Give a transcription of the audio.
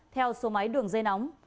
theo số máy đường dây nóng